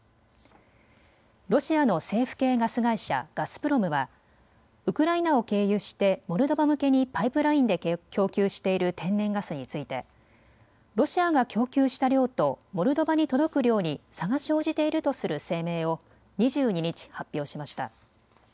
ロシアの政府系ガス会社、ガスプロムはウクライナを経由してモルドバ向けにパイプラインで供給している天然ガスについてロシアが供給した量とモルドバに届く量に差が生じているとする声明を２２日、発表しました。